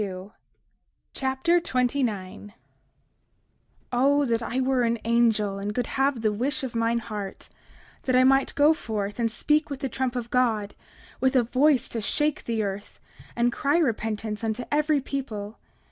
Alma Chapter 29 29:1 O that I were an angel, and could have the wish of mine heart, that I might go forth and speak with the trump of God, with a voice to shake the earth, and cry repentance unto every people!